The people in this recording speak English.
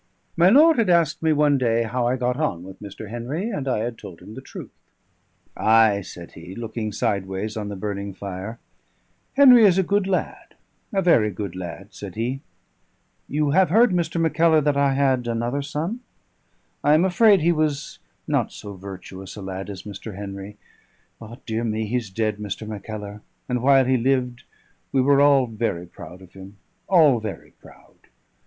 My lord had asked me one day how I got on with Mr. Henry, and I had told him the truth. "Ay," said he, looking sideways on the burning fire, "Henry is a good lad, a very good lad," said he. "You have heard, Mr. Mackellar, that I had another son? I am afraid he was not so virtuous a lad as Mr. Henry; but dear me, he's dead, Mr. Mackellar! and while he lived we were all very proud of him, all very proud.